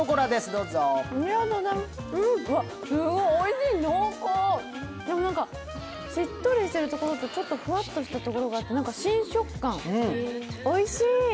うわ、すごっ、おいしい、濃厚でも、何かしっとりしているところと、ちょっとふわったしたところがあって新食感、おいしい！